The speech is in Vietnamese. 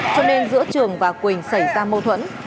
cho nên giữa trường và quỳnh xảy ra mâu thuẫn